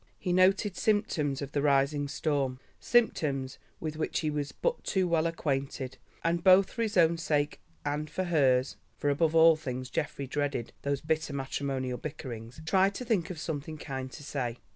He noted symptoms of the rising storm, symptoms with which he was but too well acquainted, and both for his own sake and for hers—for above all things Geoffrey dreaded these bitter matrimonial bickerings—tried to think of something kind to say.